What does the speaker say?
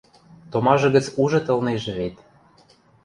Томажы гӹц ужыт ылнежӹ вет.